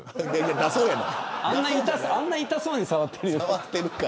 あんな痛そうに触ってるよ。